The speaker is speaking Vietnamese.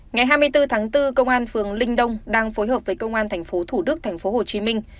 ngày hai mươi bốn tháng bốn công an phường linh đông đang phối hợp với công an thành phố thủ đức thành phố hồ chí minh